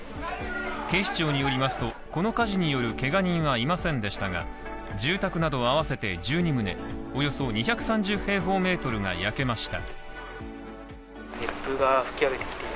警視庁によりますとこの火事によるけが人はいませんでしたが、住宅などあわせて１２棟およそ２３０平方メートルが焼けました。